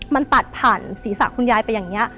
มันตัดผ่านศีรษะคุณยายไปอย่างนี้